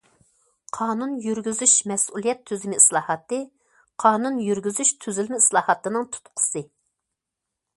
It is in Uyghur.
قانۇن يۈرگۈزۈش مەسئۇلىيەت تۈزۈمى ئىسلاھاتى قانۇن يۈرگۈزۈش تۈزۈلمە ئىسلاھاتىنىڭ تۇتقىسى.